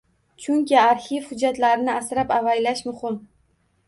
Chunki arxiv hujjatlarini asrab-avaylash muhim.